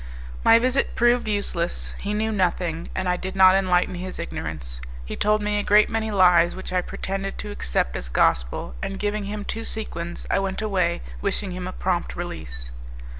My visit proved useless; he knew nothing, and I did not enlighten his ignorance. He told me a great many lies which I pretended to accept as gospel, and giving him two sequins I went away, wishing him a prompt release.